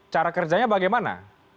cara kerjanya bagaimana